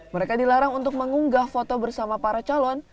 mereka dilarang untuk mengunggah foto bersama para calon